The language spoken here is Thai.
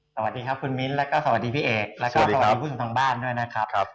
สวัสดีครับคุณมิ้นแล้วก็สวัสดีพี่เอกแล้วก็สวัสดีผู้ชมทางบ้านด้วยนะครับ